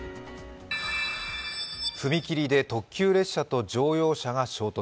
踏切で特急列車と乗用車が衝突。